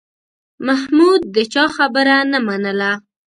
محمود د چا خبره نه منله.